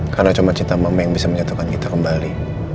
karena cuma cinta mama yang bisa menyatukan kita kembali